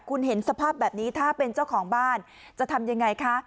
คุณเห็นสภาพแบบนี้ถ้าเป็นเจ้าของบ้านจะทำยังไงคะ